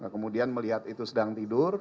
kemudian melihat itu sedang tidur